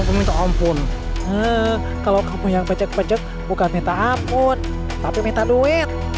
seorang oraibung kapal nutritionan yang menghenut